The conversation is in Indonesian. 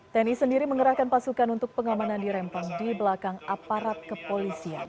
tni sendiri mengerahkan pasukan untuk pengamanan di rempang di belakang aparat kepolisian